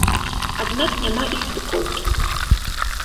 Аднак няма іх стыкоўкі.